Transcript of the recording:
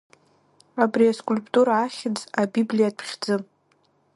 Убри аскульптура ахьӡ, абиблиатә хьӡы…